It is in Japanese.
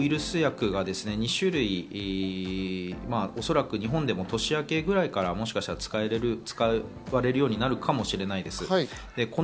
抗ウイルス薬が２種類、おそらく日本でも年明けくらいからもしかしたら使われるようになるかもしれないんです。